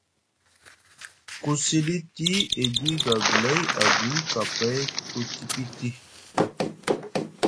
Ku siɗiti edi gaglay agwi kapay ku tikiti Ɵa.